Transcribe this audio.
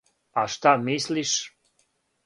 А шта мислиш?